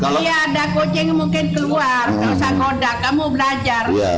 kalau tidak ada kucing mungkin keluar terus saya ngoda kamu belajar